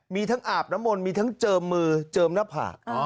มีทั้งอาบน้ำมนต์มีทั้งเจิมมือเจิมหน้าผาก